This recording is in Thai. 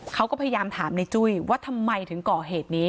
เขาก็พยายามถามในจุ้ยว่าทำไมถึงก่อเหตุนี้